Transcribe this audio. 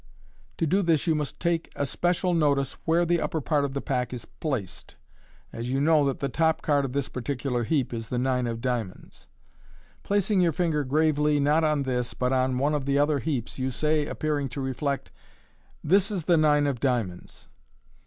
To do this you must take especial aotice where the upper part of the pack is placed, as you know that the top card of this particular heap is the nine of diamonds. Placing your finger gravely, not on this, but on one of the other heaps, jrou say, appearing to reflect, " This is the nine of diamonds."